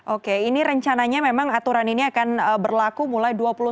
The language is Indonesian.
oke ini rencananya memang aturan ini akan berlaku mulai dua puluh sembilan november ya pak ya